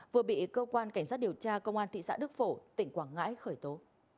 vừa bị cơ quan cảnh sát điều tra công an thị xã đức phổ tỉnh quảng ngãi khởi tố